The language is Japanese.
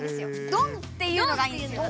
「ドン」っていうのがいいんですよ。